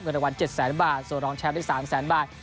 เงินรางวัล๗๐๐๐๐๐บาทส่วนรองแชมป์ได้๓๐๐๐๐๐บาท